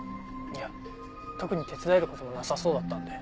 いや特に手伝える事もなさそうだったので。